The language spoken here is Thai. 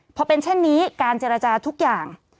พอเป็นเช่นนี้การเจรจาทุกอย่าง